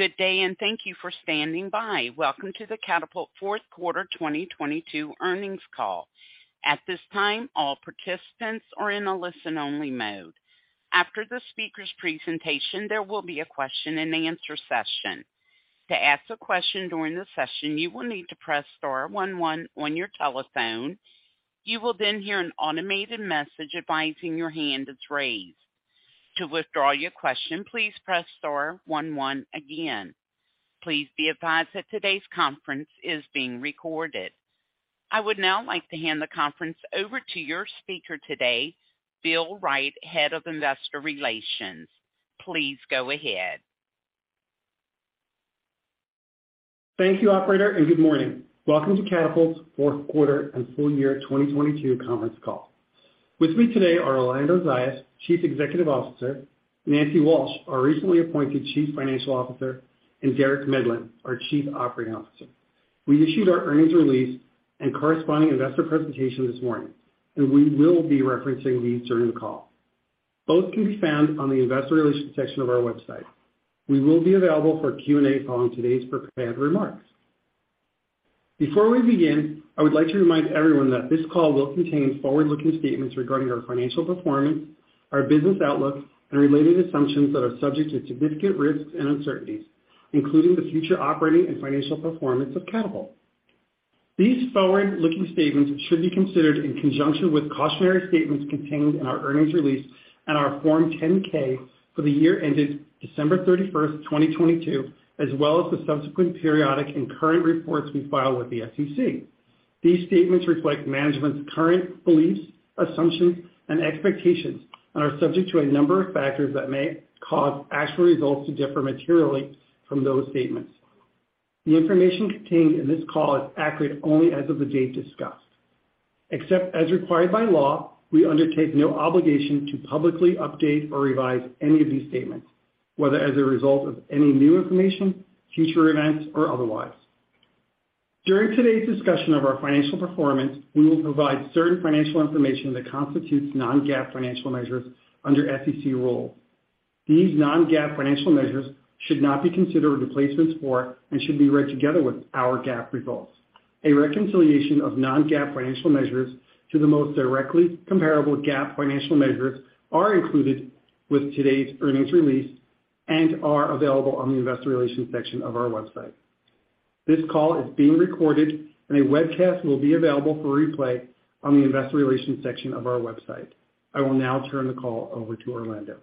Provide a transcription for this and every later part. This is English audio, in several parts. Good day. Thank you for standing by. Welcome to the Katapult Fourth Quarter 2022 Earnings Call. At this time, all participants are in a listen-only mode. After the speaker's presentation, there will be a question and answer session. To ask a question during the session, you will need to press star 11 on your telephone. You will then hear an automated message advising your hand is raised. To withdraw your question, please press star 11 again. Please be advised that today's conference is being recorded. I would now like to hand the conference over to your speaker today, Bill Wright, Head of Investor Relations. Please go ahead. Thank you, operator, and good morning. Welcome to Katapult's Fourth Quarter and Full Year 2022 Conference Call. With me today are Orlando Zayas, Chief Executive Officer, Nancy Walsh, our recently appointed Chief Financial Officer, and Derek Medlin, our Chief Operating Officer. We issued our earnings release and corresponding investor presentation this morning, and we will be referencing these during the call. Both can be found on the investor relations section of our website. We will be available for Q&A following today's prepared remarks. Before we begin, I would like to remind everyone that this call will contain forward-looking statements regarding our financial performance, our business outlook and related assumptions that are subject to significant risks and uncertainties, including the future operating and financial performance of Katapult. These forward-looking statements should be considered in conjunction with cautionary statements contained in our earnings release and our Form 10-K for the year ended December 31st, 2022, as well as the subsequent periodic and current reports we file with the SEC. These statements reflect management's current beliefs, assumptions and expectations and are subject to a number of factors that may cause actual results to differ materially from those statements. The information contained in this call is accurate only as of the date discussed. Except as required by law, we undertake no obligation to publicly update or revise any of these statements, whether as a result of any new information, future events or otherwise. During today's discussion of our financial performance, we will provide certain financial information that constitutes non-GAAP financial measures under SEC rules. These non-GAAP financial measures should not be considered replacements for and should be read together with our GAAP results. A reconciliation of non-GAAP financial measures to the most directly comparable GAAP financial measures are included with today's earnings release and are available on the investor relations section of our website. I will now turn the call over to Orlando.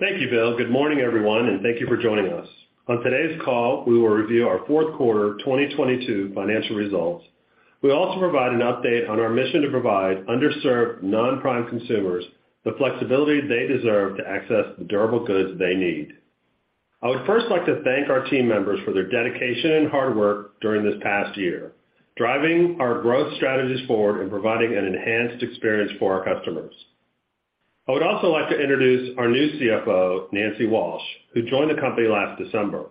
Thank you, Bill. Good morning, everyone, and thank you for joining us. On today's call, we will review our fourth quarter 2022 financial results. We'll also provide an update on our mission to provide underserved non-prime consumers the flexibility they deserve to access the durable goods they need. I would first like to thank our team members for their dedication and hard work during this past year, driving our growth strategies forward and providing an enhanced experience for our customers. I would also like to introduce our new Chief Financial Officer, Nancy Walsh, who joined the company last December.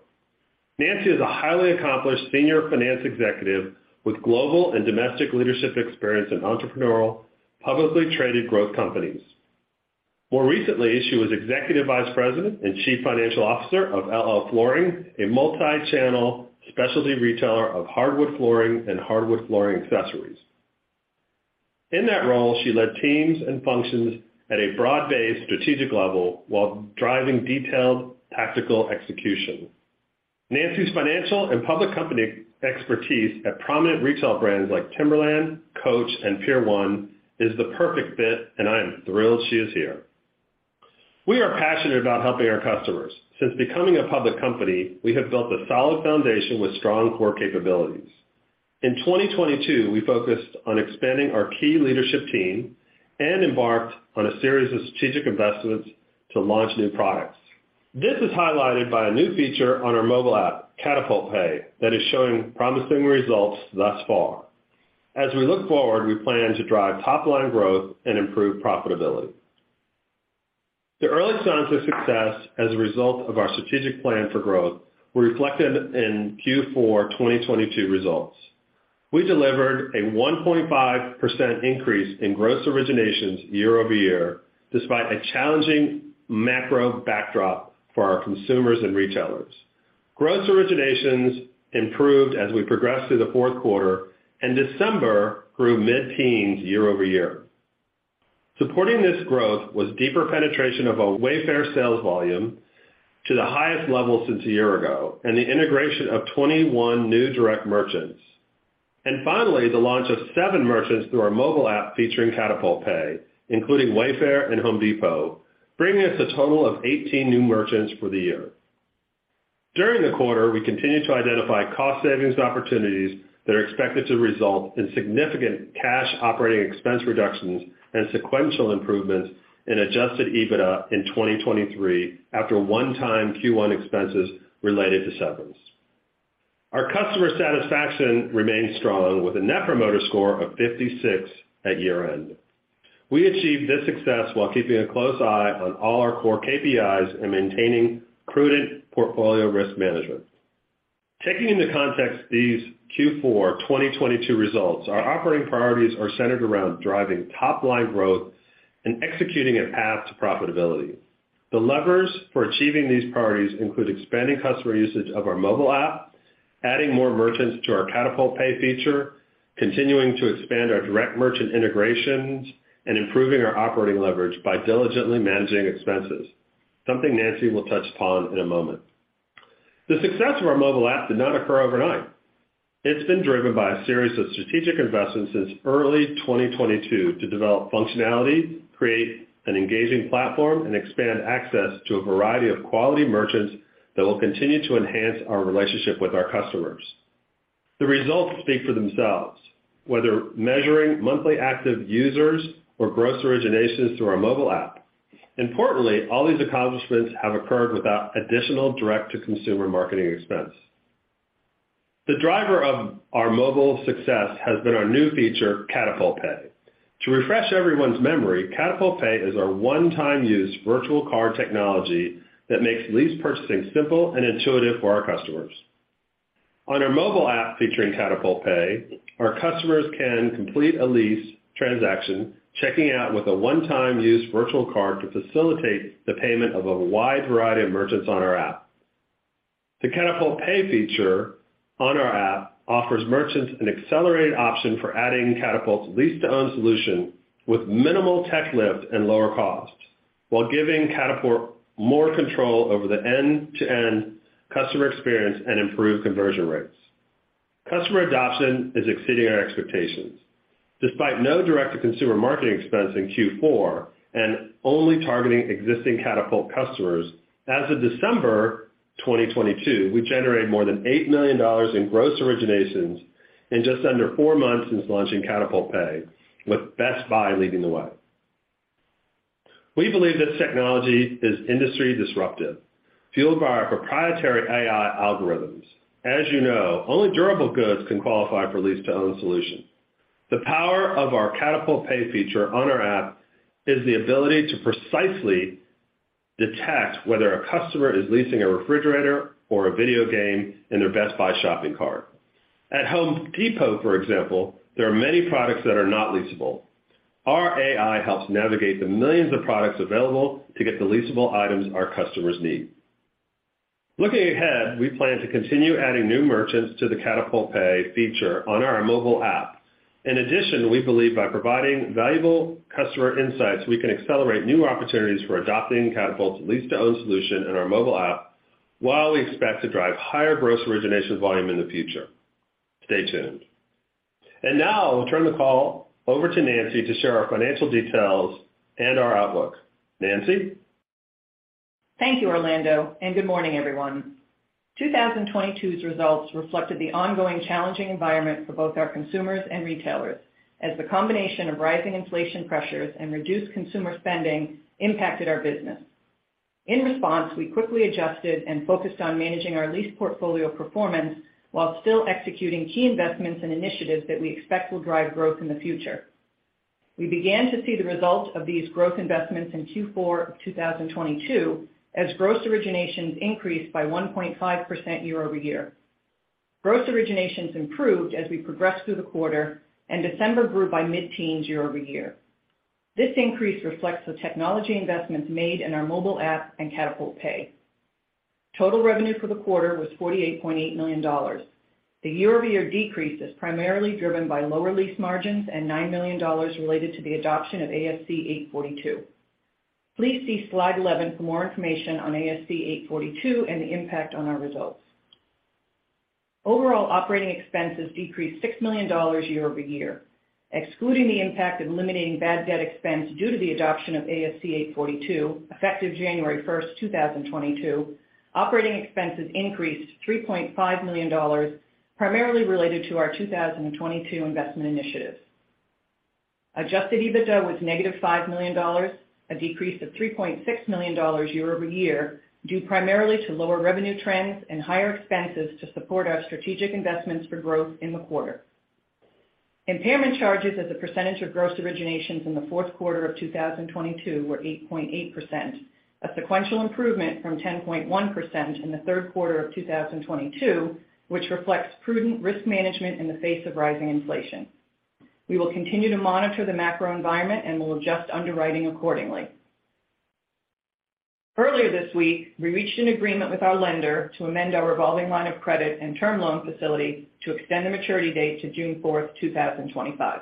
Nancy is a highly accomplished senior finance executive with global and domestic leadership experience in entrepreneurial, publicly traded growth companies. More recently, she was Executive Vice President and Chief Financial Officer of LL Flooring, a multi-channel specialty retailer of hardwood flooring and hardwood flooring accessories. In that role, she led teams and functions at a broad-based strategic level while driving detailed tactical execution. Nancy's financial and public company expertise at prominent retail brands like Timberland, Coach and Pier 1 is the perfect fit, and I am thrilled she is here. We are passionate about helping our customers. Since becoming a public company, we have built a solid foundation with strong core capabilities. In 2022, we focused on expanding our key leadership team and embarked on a series of strategic investments to launch new products. This is highlighted by a new feature on our mobile app, Katapult Pay, that is showing promising results thus far. As we look forward, we plan to drive top line growth and improve profitability. The early signs of success as a result of our strategic plan for growth were reflected in Q4 2022 results. We delivered a 1.5% increase in gross originations year-over-year, despite a challenging macro backdrop for our consumers and retailers. Gross originations improved as we progressed through the fourth quarter and December grew mid-teens year-over-year. Finally, the launch of seven merchants through our mobile app featuring Katapult Pay, including Wayfair and Home Depot, bringing us a total of 18 new merchants for the year. During the quarter, we continued to identify cost savings opportunities that are expected to result in significant cash operating expense reductions and sequential improvements in adjusted EBITDA in 2023 after one-time Q1 expenses related to severance. Our customer satisfaction remains strong with a Net Promoter Score of 56 at year-end. We achieved this success while keeping a close eye on all our core KPIs and maintaining prudent portfolio risk management. Taking into context these Q4 2022 results, our operating priorities are centered around driving top-line growth and executing a path to profitability. The levers for achieving these priorities include expanding customer usage of our mobile app, adding more merchants to our Katapult Pay feature, continuing to expand our direct merchant integrations, and improving our operating leverage by diligently managing expenses, something Nancy will touch upon in a moment. The success of our mobile app did not occur overnight. It's been driven by a series of strategic investments since early 2022 to develop functionality, create an engaging platform, and expand access to a variety of quality merchants that will continue to enhance our relationship with our customers. The results speak for themselves, whether measuring monthly active users or gross originations through our mobile app. Importantly, all these accomplishments have occurred without additional direct-to-consumer marketing expense. The driver of our mobile success has been our new feature, Katapult Pay. To refresh everyone's memory, Katapult Pay is our one-time use virtual card technology that makes lease purchasing simple and intuitive for our customers. On our mobile app featuring Katapult Pay, our customers can complete a lease transaction, checking out with a one-time use virtual card to facilitate the payment of a wide variety of merchants on our app. The Katapult Pay feature on our app offers merchants an accelerated option for adding Katapult's lease-to-own solution with minimal tech lift and lower cost while giving Katapult more control over the end-to-end customer experience and improved conversion rates. Customer adoption is exceeding our expectations. Despite no direct-to-consumer marketing expense in Q4 and only targeting existing Katapult customers, as of December 2022, we generated more than $8 million in gross originations in just under 4 months since launching Katapult Pay, with Best Buy leading the way. We believe this technology is industry disruptive, fueled by our proprietary AI algorithms. As you know, only durable goods can qualify for lease-to-own solution. The power of our Katapult Pay feature on our app is the ability to precisely detect whether a customer is leasing a refrigerator or a video game in their Best Buy shopping cart. At Home Depot, for example, there are many products that are not leasable. Our AI helps navigate the millions of products available to get the leasable items our customers need. Looking ahead, we plan to continue adding new merchants to the Katapult Pay feature on our mobile app. We believe by providing valuable customer insights, we can accelerate new opportunities for adopting Katapult's lease-to-own solution in our mobile app, while we expect to drive higher gross origination volume in the future. Stay tuned. Now I will turn the call over to Nancy to share our financial details and our outlook. Nancy? Thank you, Orlando. Good morning, everyone. 2022's results reflected the ongoing challenging environment for both our consumers and retailers as the combination of rising inflation pressures and reduced consumer spending impacted our business. In response, we quickly adjusted and focused on managing our lease portfolio performance while still executing key investments and initiatives that we expect will drive growth in the future. We began to see the results of these growth investments in Q4 of 2022 as gross originations increased by 1.5% year-over-year. Gross originations improved as we progressed through the quarter and December grew by mid-teens year-over-year. This increase reflects the technology investments made in our mobile app and Katapult Pay. Total revenue for the quarter was $48.8 million. The year-over-year decrease is primarily driven by lower lease margins and $9 million related to the adoption of ASC 842. Please see slide 11 for more information on ASC 842 and the impact on our results. Overall operating expenses decreased $6 million year-over-year. Excluding the impact of limiting bad debt expense due to the adoption of ASC 842, effective January 1, 2022, operating expenses increased $3.5 million, primarily related to our 2022 investment initiatives. Adjusted EBITDA was negative $5 million, a decrease of $3.6 million year-over-year, due primarily to lower revenue trends and higher expenses to support our strategic investments for growth in the quarter. Impairment charges as a percentage of gross originations in the fourth quarter of 2022 were 8.8%. A sequential improvement from 10.1% in the third quarter of 2022, which reflects prudent risk management in the face of rising inflation. We will continue to monitor the macro environment and will adjust underwriting accordingly. Earlier this week, we reached an agreement with our lender to amend our revolving line of credit and term loan facility to extend the maturity date to June 4, 2025.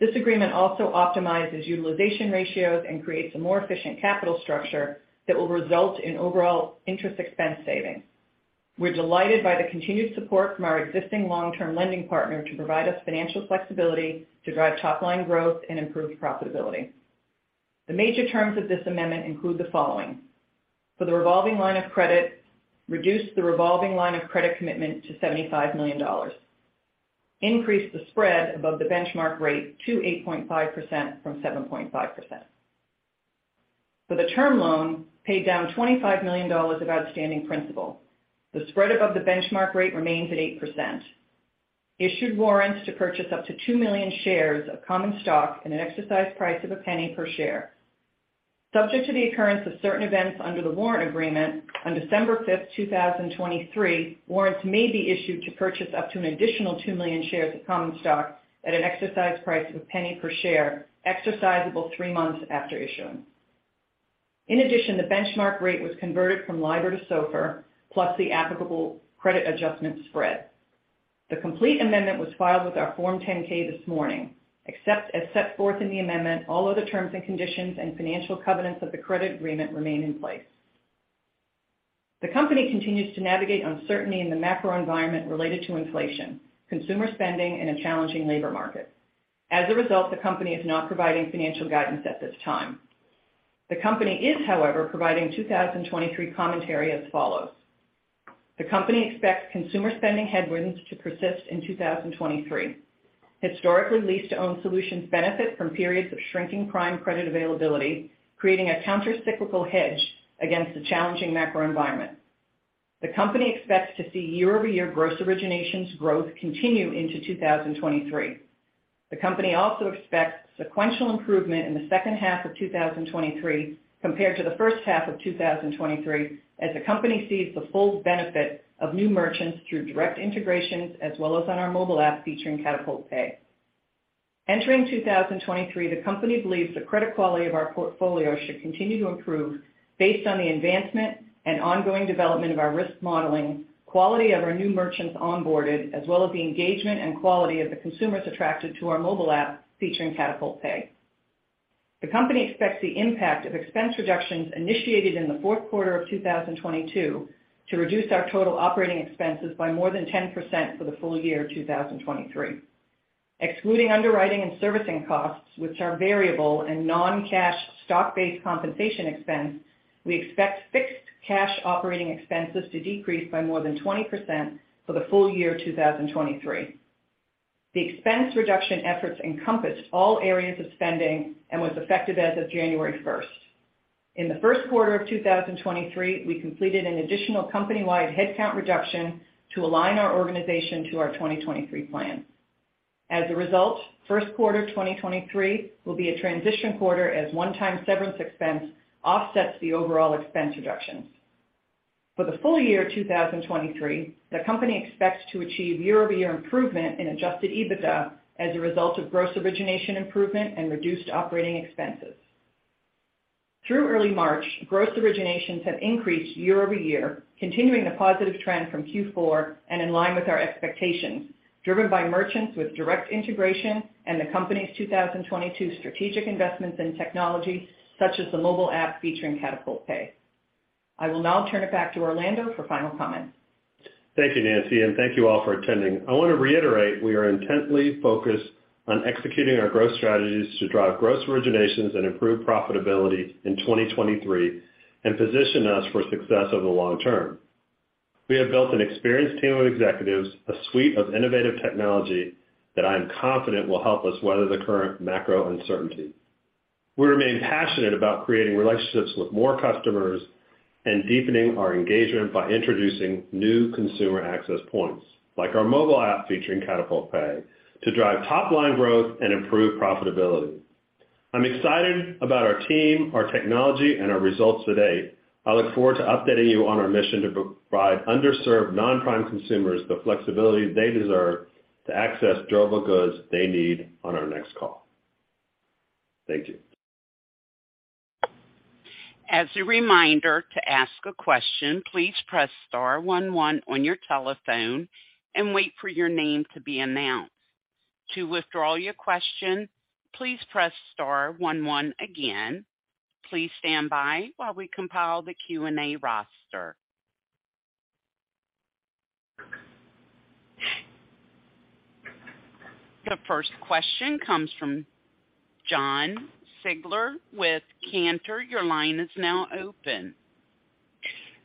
This agreement also optimizes utilization ratios and creates a more efficient capital structure that will result in overall interest expense savings. We're delighted by the continued support from our existing long-term lending partner to provide us financial flexibility to drive top line growth and improve profitability. The major terms of this amendment include the following. For the revolving line of credit, reduce the revolving line of credit commitment to $75 million. Increase the spread above the benchmark rate to 8.5% from 7.5%. For the term loan, pay down $25 million of outstanding principal. The spread above the benchmark rate remains at 8%. Issued warrants to purchase up to 2 million shares of common stock at an exercise price of $0.01 per share. Subject to the occurrence of certain events under the warrant agreement, on December 5, 2023, warrants may be issued to purchase up to an additional 2 million shares of common stock at an exercise price of $0.01 per share, exercisable 3 months after issuance. The benchmark rate was converted from LIBOR to SOFR, plus the applicable credit adjustment spread. The complete amendment was filed with our Form 10-K this morning. Except as set forth in the amendment, all other terms and conditions and financial covenants of the credit agreement remain in place. The company continues to navigate uncertainty in the macro environment related to inflation, consumer spending, and a challenging labor market. As a result, the company is not providing financial guidance at this time. The company is, however, providing 2023 commentary as follows: The company expects consumer spending headwinds to persist in 2023. Historically, lease-to-own solutions benefit from periods of shrinking prime credit availability, creating a countercyclical hedge against the challenging macro environment. The company expects to see year-over-year gross originations growth continue into 2023. The company also expects sequential improvement in the second half of 2023 compared to the first half of 2023 as the company sees the full benefit of new merchants through direct integrations as well as on our mobile app featuring Katapult Pay. Entering 2023, the company believes the credit quality of our portfolio should continue to improve based on the advancement and ongoing development of our risk modeling, quality of our new merchants onboarded, as well as the engagement and quality of the consumers attracted to our mobile app featuring Katapult Pay. The company expects the impact of expense reductions initiated in the fourth quarter of 2022 to reduce our total operating expenses by more than 10% for the full year 2023. Excluding underwriting and servicing costs, which are variable and non-cash stock-based compensation expense, we expect fixed cash operating expenses to decrease by more than 20% for the full year 2023. The expense reduction efforts encompassed all areas of spending and was effective as of January first. In the first quarter of 2023, we completed an additional company-wide headcount reduction to align our organization to our 2023 plan. As a result, first quarter 2023 will be a transition quarter as one-time severance expense offsets the overall expense reductions. For the full year 2023, the company expects to achieve year-over-year improvement in adjusted EBITDA as a result of gross origination improvement and reduced operating expenses. Through early March, gross originations have increased year-over-year, continuing the positive trend from Q4 and in line with our expectations, driven by merchants with direct integration and the company's 2022 strategic investments in technology such as the mobile app featuring Katapult Pay. I will now turn it back to Orlando for final comments. Thank you, Nancy, and thank you all for attending. I want to reiterate we are intently focused on executing our growth strategies to drive gross originations and improve profitability in 2023 and position us for success over the long term. We have built an experienced team of executives, a suite of innovative technology that I am confident will help us weather the current macro uncertainty. We remain passionate about creating relationships with more customers and deepening our engagement by introducing new consumer access points, like our mobile app featuring Katapult Pay, to drive top-line growth and improve profitability. I'm excited about our team, our technology, and our results to date. I look forward to updating you on our mission to provide underserved non-prime consumers the flexibility they deserve to access durable goods they need on our next call. Thank you. As a reminder, to ask a question, please press star one one on your telephone and wait for your name to be announced. To withdraw your question, please press star one one again. Please stand by while we compile the Q&A roster. The first question comes from Josh Siegler with Cantor. Your line is now open.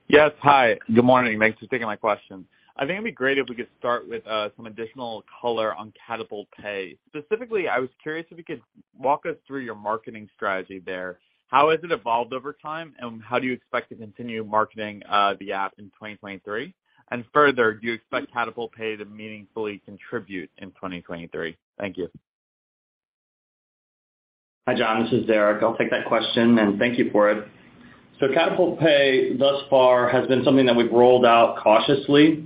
Yes. Hi, good morning. Thanks for taking my question. I think it'd be great if we could start with some additional color on Katapult Pay. Specifically, I was curious if you could walk us through your marketing strategy there. How has it evolved over time, and how do you expect to continue marketing the app in 2023? Further, do you expect Katapult Pay to meaningfully contribute in 2023? Thank you. Hi, Josh, this is Derek. I'll take that question. Thank you for it. Katapult Pay thus far has been something that we've rolled out cautiously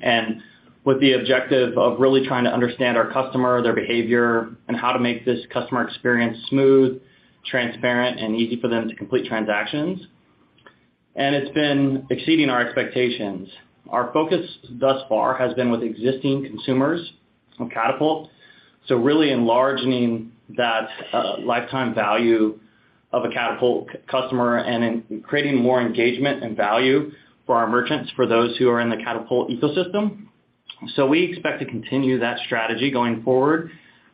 and with the objective of really trying to understand our customer, their behavior, and how to make this customer experience smooth, transparent, and easy for them to complete transactions. It's been exceeding our expectations. Our focus thus far has been with existing consumers from Katapult. Really enlarging that lifetime value of a Katapult customer and in creating more engagement and value for our merchants, for those who are in the Katapult ecosystem. We expect to continue that strategy going forward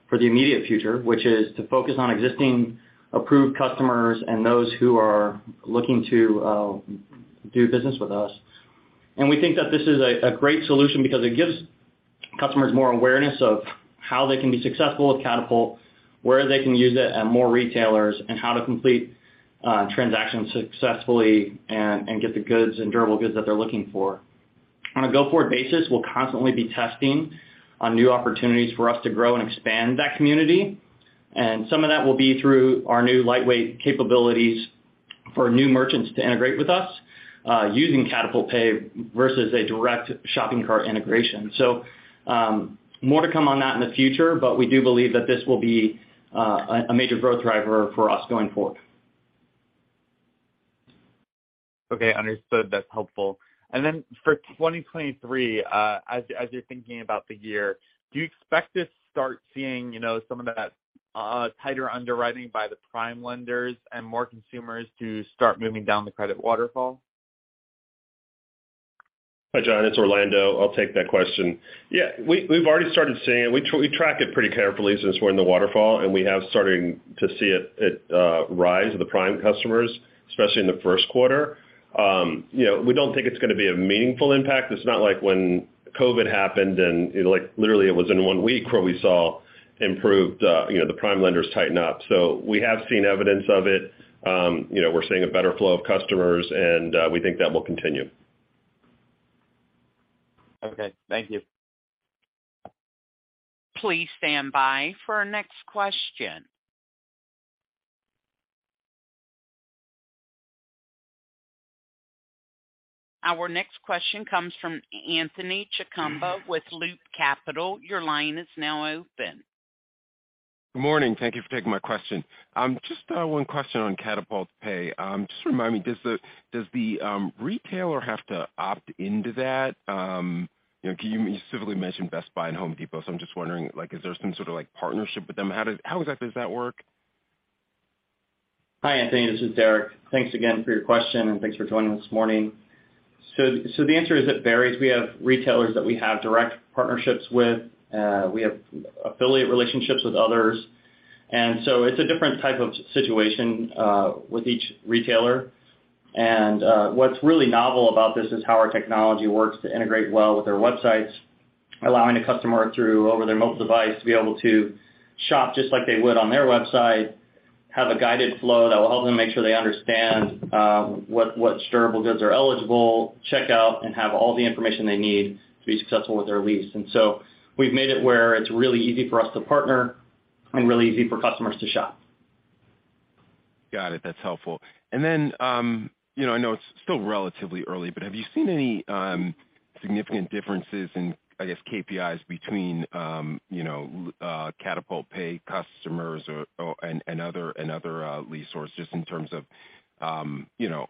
for the immediate future, which is to focus on existing approved customers and those who are looking to do business with us. We think that this is a great solution because it gives customers more awareness of how they can be successful with Katapult, where they can use it at more retailers, and how to complete transactions successfully and get the goods and durable goods that they're looking for. On a go-forward basis, we'll constantly be testing on new opportunities for us to grow and expand that community. Some of that will be through our new lightweight capabilities for new merchants to integrate with us, using Katapult Pay versus a direct shopping cart integration. More to come on that in the future, but we do believe that this will be a major growth driver for us going forward. Okay. Understood. That's helpful. For 2023, as you're thinking about the year, do you expect to start seeing, you know, some of that tighter underwriting by the prime lenders and more consumers to start moving down the credit waterfall? Hi, Josh, it's Orlando. I'll take that question. Yeah. We've already started seeing it. We track it pretty carefully since we're in the waterfall, and we have starting to see it rise with the prime customers, especially in the first quarter. You know, we don't think it's gonna be a meaningful impact. It's not like when COVID happened and, you know, like literally it was in one week where we saw improved, you know, the prime lenders tighten up. We have seen evidence of it. You know, we're seeing a better flow of customers, and we think that will continue. Okay. Thank you. Please stand by for our next question. Our next question comes from Anthony Chukumba with Loop Capital. Your line is now open. Good morning. Thank you for taking my question. Just one question on Katapult Pay. Just remind me, does the retailer have to opt into that? You know, you specifically mentioned Best Buy and Home Depot, so I'm just wondering, like, is there some sort of, like, partnership with them? How exactly does that work? Hi, Anthony. This is Derek. Thanks again for your question, and thanks for joining this morning. The answer is it varies. We have retailers that we have direct partnerships with. We have affiliate relationships with others. It's a different type of situation with each retailer. What's really novel about this is how our technology works to integrate well with their websites, allowing a customer through, over their mobile device to be able to shop just like they would on their website, have a guided flow that will help them make sure they understand what durable goods are eligible, check out, and have all the information they need to be successful with their lease. We've made it where it's really easy for us to partner and really easy for customers to shop. Got it. That's helpful. Then, you know, I know it's still relatively early, but have you seen any significant differences in, I guess, KPIs between, you know, Katapult Pay customers or and other lease sources in terms of, you know,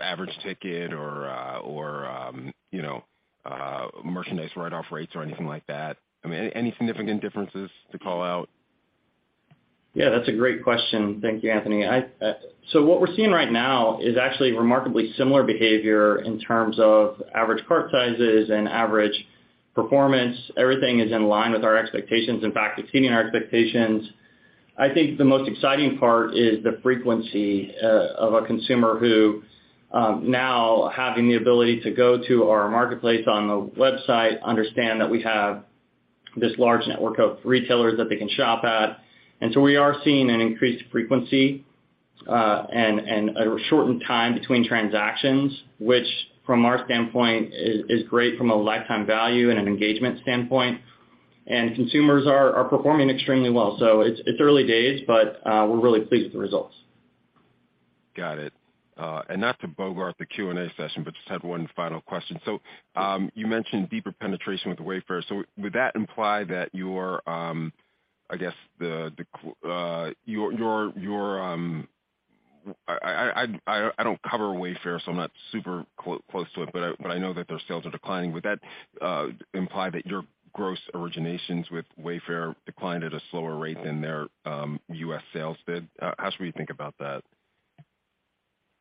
average ticket or, you know, merchandise write-off rates or anything like that? I mean, any significant differences to call out? That's a great question. Thank you, Anthony. What we're seeing right now is actually remarkably similar behavior in terms of average cart sizes and average performance. Everything is in line with our expectations. In fact, exceeding our expectations. I think the most exciting part is the frequency of a consumer who, now having the ability to go to our marketplace on the website, understand that we have this large network of retailers that they can shop at. We are seeing an increased frequency and a shortened time between transactions, which from our standpoint is great from a lifetime value and an engagement standpoint. Consumers are performing extremely well. It's early days, but we're really pleased with the results. Got it. Not to bogart the Q&A session, but just had one final question. You mentioned deeper penetration with Wayfair. Would that imply that your I don't cover Wayfair, so I'm not super close to it, but I know that their sales are declining. Would that imply that your gross originations with Wayfair declined at a slower rate than their U.S. sales did? How should we think about that?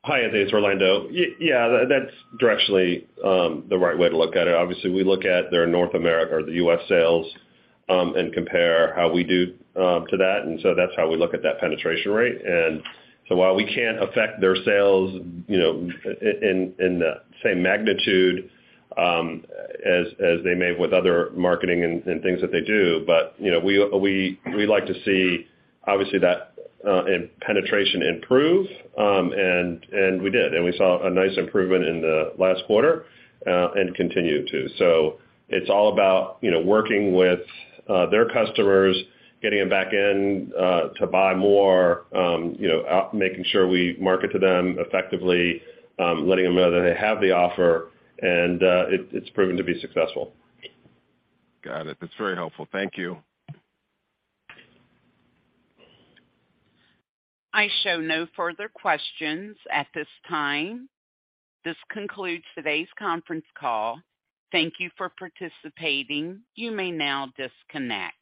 Hi, Anthony. It's Orlando. Yeah, that's directionally the right way to look at it. Obviously, we look at their North America or the U.S. sales, and compare how we do to that. That's how we look at that penetration rate. While we can't affect their sales, you know, in the same magnitude as they may with other marketing and things that they do, but, you know, we like to see obviously that and penetration improve. We did, and we saw a nice improvement in the last quarter, and continue to. It's all about, you know, working with their customers, getting them back in to buy more, you know, making sure we market to them effectively, letting them know that they have the offer and it's proven to be successful. Got it. That's very helpful. Thank you. I show no further questions at this time. This concludes today's conference call. Thank you for participating. You may now disconnect.